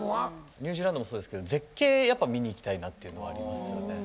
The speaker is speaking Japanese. ニュージーランドもそうですけど絶景やっぱ見に行きたいなっていうのはありますよね。